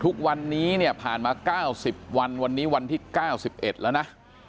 ทุกวันนี้เนี่ยผ่านมาเก้าสิบวันวันนี้วันที่เก้าสิบเอ็ดแล้วนะ